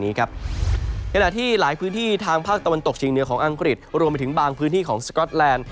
ขณะที่หลายพื้นที่ทางภาคตะวันตกเชียงเหนือของอังกฤษรวมไปถึงบางพื้นที่ของสก๊อตแลนด์